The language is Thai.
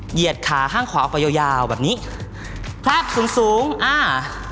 เหยียดขาข้างขวาไปยาวแบบนี้ครับสูงอ่า